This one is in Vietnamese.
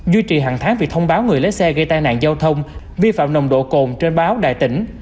duy trì hàng tháng việc thông báo người lấy xe gây tai nạn giao thông vi phạm nồng độ cồn trên báo đại tỉnh